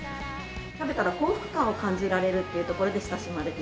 食べたら幸福感を感じられるっていうところで親しまれて。